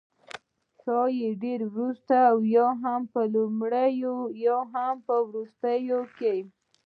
ښايي ډیر وروسته، یا په لومړیو کې او یا هم په وروستیو کې